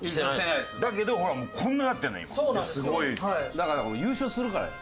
だから優勝するからよ。